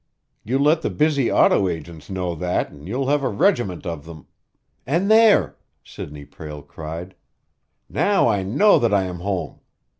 "You let the busy auto agents know that, and you'll have a regiment of them " "And there!" Sidney Prale cried. "Now I know that I am home!